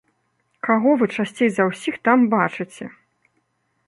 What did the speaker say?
Каго вы часцей за ўсіх там бачыце?